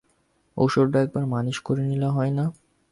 ঔষধটা একবার মালিশ করিলে হয় না?